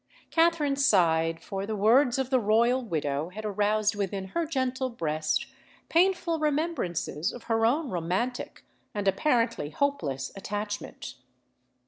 Katherine sighed: for the words of the royal widow had aroused within her gentle breast painful remembrances of her own romantic and apparently hopeless attachment!